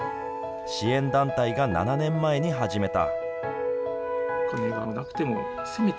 支援団体が７年前に始めた。